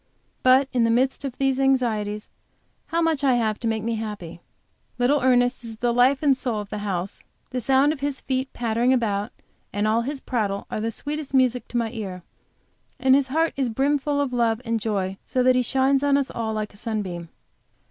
But in the midst of these anxieties, how much I have to make me happy! Little Ernest is the life and soul of the house; the sound of his feet pattering about, and all his prattle, are the sweetest music to my ear; and his heart is brimful of love and joy, so that he shines on us all like a sunbeam.